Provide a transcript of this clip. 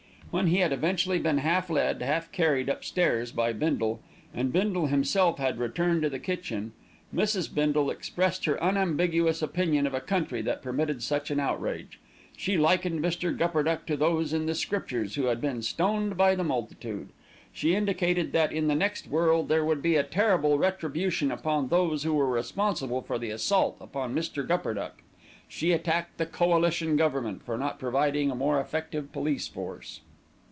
When he had eventually been half led, half carried upstairs by Bindle, and Bindle himself had returned to the kitchen, Mrs. Bindle expressed her unambiguous opinion of a country that permitted such an outrage. She likened Mr. Gupperduck to those in the Scriptures who had been stoned by the multitude. She indicated that in the next world there would be a terrible retribution upon those who were responsible for the assault upon Mr. Gupperduck. She attacked the Coalition Government for not providing a more effective police force.